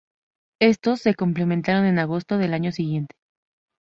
Estos se completaron en agosto del año siguiente.